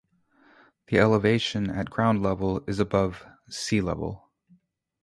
The elevation at ground level is above sea-level.